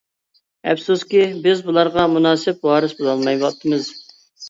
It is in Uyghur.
ئەپسۇسكى بىز بۇلارغا مۇناسىپ ۋارىس بولالمايۋاتىمىز.